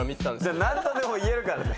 何とでも言えるからね。